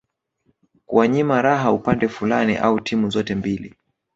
kuwanyima raha upande fulani au timu zote mbili